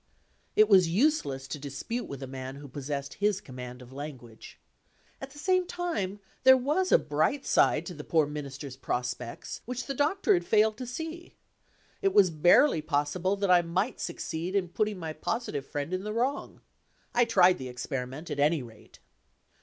It was useless to dispute with a man who possessed his command of language. At the same time, there was a bright side to the poor Minister's prospects which the Doctor had failed to see. It was barely possible that I might succeed in putting my positive friend in the wrong. I tried the experiment, at any rate.